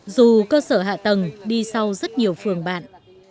dù cơ sở hạ tầng đi sau rất nhiều phường bạn